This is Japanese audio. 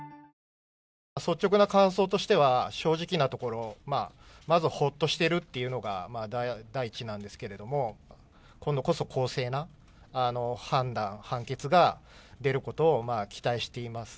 率直な感想としては正直なところまずほっとしているというのが第一なんですけれども今度こそ公正な判断、判決が出ることを期待しています。